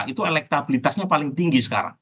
itu elektabilitasnya paling tinggi sekarang